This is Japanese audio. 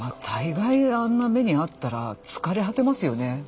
大概あんな目にあったら疲れ果てますよね。